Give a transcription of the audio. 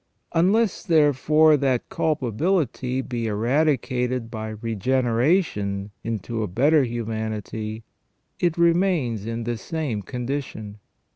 Unless, therefore, that culpability be eradicated by regeneration into a better humanity, it remains in the same condition.